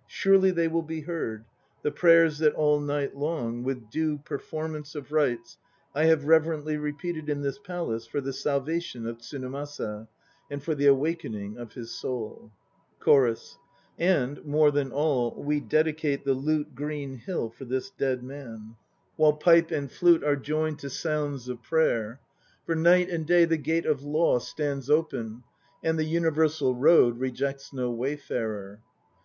l Surely they will be heard, The prayers that all night long With due performance of rites I have reverently repeated in this Palace For the salvation of Tsunemasa And for the awakening of his soul. CH ;ORUS. ln<i, more than all, we dedicate [Tie lute Green Hill for this dead man; relation between Tsunemasa and the Emperor is meant. 61 52 THE NO PLAYS OF JAPAN While pipe and flute are joined to sounds of prayer. For night and day the Gate of Law Stands open and the Universal Road Rejects no wayfarer.